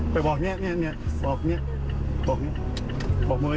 ไปบอกเนี่ยบอกมือไอ้เนี่ยบอกไอ้เนี่ย๒คันเนี่ย